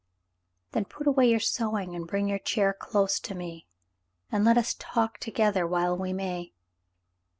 "Then put away your sewing and bring your chair close to me, and let us talk together while we may."